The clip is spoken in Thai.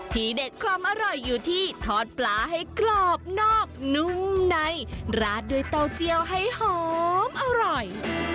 เด็ดความอร่อยอยู่ที่ทอดปลาให้กรอบนอกนุ่มในราดด้วยเต้าเจียวให้หอมอร่อย